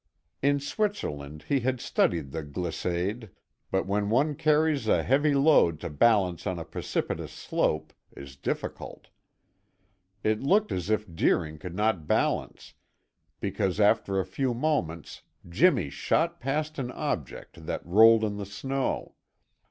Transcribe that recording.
In Switzerland he had studied the glissade, but when one carries a heavy load to balance on a precipitous slope is difficult. It looked as if Deering could not balance, because after a few moments Jimmy shot past an object that rolled in the snow.